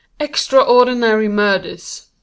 "Extraordinary Murders.